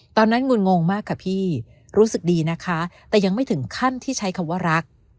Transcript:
งุ่นงงมากค่ะพี่รู้สึกดีนะคะแต่ยังไม่ถึงขั้นที่ใช้คำว่ารัก